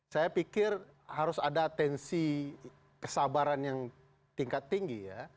saya pikir harus ada atensi kesabaran yang tingkat tinggi ya